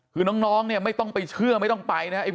คือน้องเนี่ยไม่ต้องไปเชื่อไม่ต้องไปนะครับ